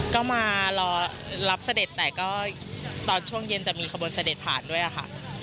ก็มารอรับเสด็จแต่ก็ตอนช่วงเย็นจะมีขบวนเสด็จผ่านด้วยค่ะ